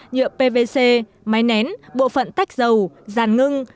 nhựa pvc máy nén bộ phận tách dầu dàn ngưng